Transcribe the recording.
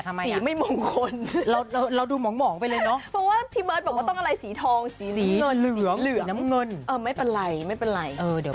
ใช่อย่างไงก็เป็นกำลังใจให้พี่เวิร์ดด้วย